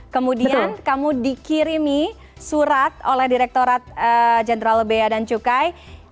kemudian kamu dikirimi surat oleh direkturat jenderal bea dan cukai